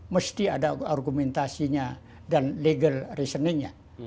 mesti ada argumentasinya dan legal reasoningnya